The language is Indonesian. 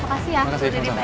makasih terima kasih